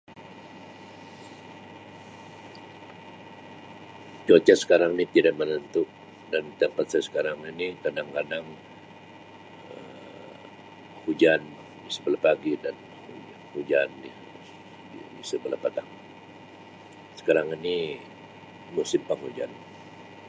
Cuaca sekarang ni tidak menentu dan tempat saya sekarang ini kadang-kadang Um hujan sebelah pagi dan hu-hujan ni di-di sebelah patang. Sekarang ini musim kuat hujan.